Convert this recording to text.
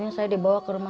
bungsu adalah penderita